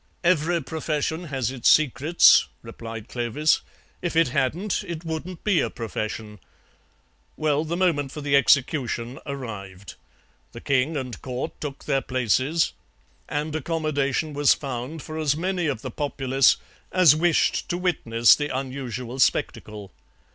"Every profession has its secrets," replied Clovis; "if it hadn't it wouldn't be a profession. Well, the moment for the execution arrived; the king and Court took their places, and accommodation was found for as many of the populace as wished to witness the unusual spectacle.